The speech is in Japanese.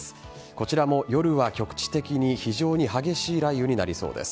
こちらも夜は局地的に非常に激しい雷雨になりそうです。